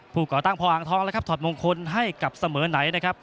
ผู้เกาะตั้งพ่ออ่างท้องถอดมงคลให้กับเสมอไหน